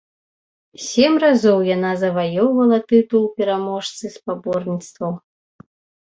Сем разоў яна заваёўвала тытул пераможцы спаборніцтваў.